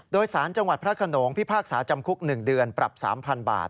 โดยสารจังหวัดพระขนงพิพากษาจำคุก๑เดือนปรับ๓๐๐๐บาท